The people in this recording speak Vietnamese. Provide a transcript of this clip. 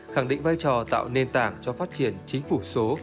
khẳng định vai trò tạo nền tảng cho phát triển chính phủ số